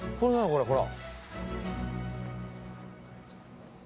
これほら。